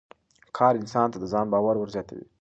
کار انسان ته د ځان باور ور زیاتوي